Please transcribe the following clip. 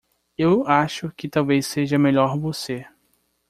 Eu acho que talvez seja melhor você.